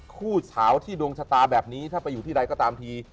เฉาที่ดวงชะตาแบบนี้ถ้าไปอยู่ที่ใดก็ตามที